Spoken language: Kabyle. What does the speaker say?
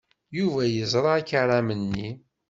Yuba yeẓra akaram-nni.